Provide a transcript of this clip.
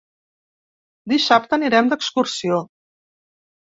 Dissabte anirem d'excursió.